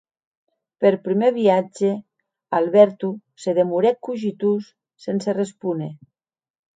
Per prumèr viatge Alberto se demorèc cogitós, sense respóner.